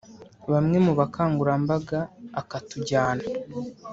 bamwe mu bakangurambaga akatujyana